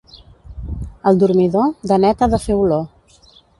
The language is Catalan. El dormidor, de net ha de fer olor.